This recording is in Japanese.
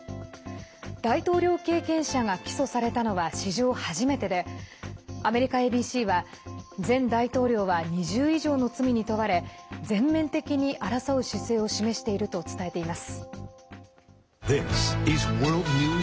大統領経験者が起訴されたのは史上初めてでアメリカＡＢＣは前大統領は２０以上の罪に問われ全面的に争う姿勢を示していると伝えています。